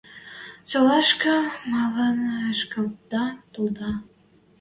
Солашкы малын ӹшкетдӓ толда?» —